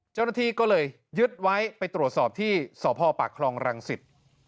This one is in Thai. เจ้าหน้าที่ก็เลยยึดไว้ไปตรวจสอบที่สพปากคลองรังสิต